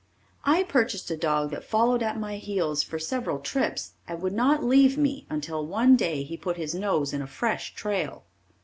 I purchased a dog that followed at my heels for several trips and would not leave me until one day he put his nose in a fresh trail.